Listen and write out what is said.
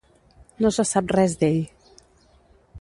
No se sap res d'ell.